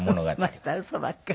また嘘ばっかり。